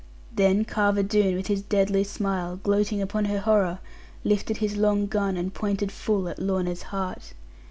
Then Carver Doone, with his deadly smile, gloating upon her horror, lifted his long gun, and pointed full at Lorna's heart.